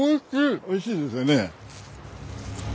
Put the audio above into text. おいしいですよね。